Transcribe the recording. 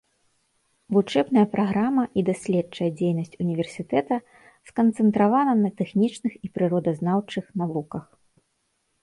Вучэбная праграма і даследчая дзейнасць універсітэта сканцэнтравана на тэхнічных і прыродазнаўчых навуках.